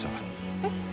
えっ？